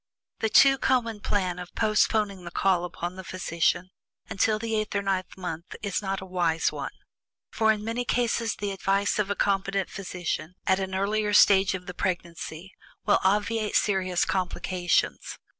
The too common plan of postponing the call upon the physician until the eighth or ninth month is not a wise one, for in many cases the advice of a competent physician at an earlier stage of the pregnancy will obviate serious complications.